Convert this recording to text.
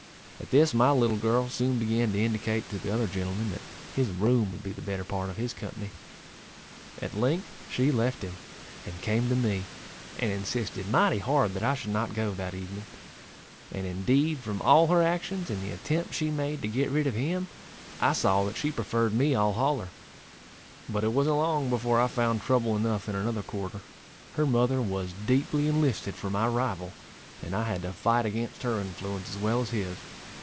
At this my little girl soon began to indicate to the other gentleman that his room would be the better part of his company. At length she left him, and came to me, and insisted mighty hard that I should not go that evening; and, indeed, from all her actions and the attempts she made to get rid of him, I saw that she preferred me all holler. But it wasn't long before I found trouble enough in another quarter. Her mother was deeply enlisted for my rival, and I had to fight against her influence as well as his.